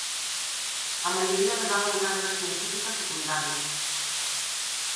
A maioría levaban cargas científicas secundarias.